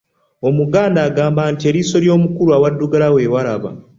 Omuganda agamba nti ,eriiso ly'omukulu awaddugala we walaba.